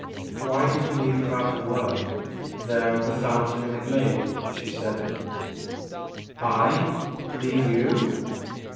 Why did you leave me without a word, there at the fountain in the glade ?'' she said. " I leave you